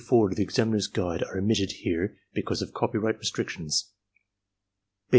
39 44 of the Examiner's Guide are omitted here because of copyright restrictions.